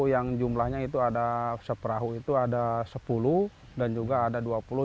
yang jumlahnya itu ada seperahu itu ada sepuluh dan juga ada dua puluh